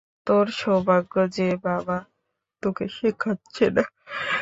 তোর সৌভাগ্য যে বাবা তোকে শেখাচ্ছে না।